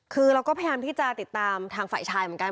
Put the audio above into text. คือเราก็พยายามที่จะติดตามทางฝ่ายชายเหมือนกัน